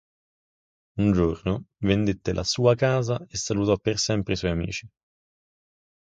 Un giorno vendette la sua casa e salutò per sempre i suoi amici.